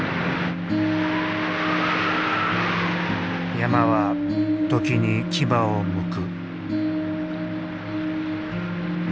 山は時に牙をむく。